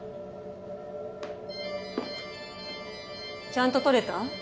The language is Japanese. ちゃんと撮れた？